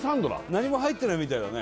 何も入ってないみたいだね